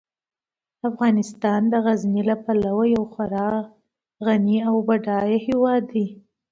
افغانستان د غزني له پلوه یو خورا غني او بډایه هیواد دی.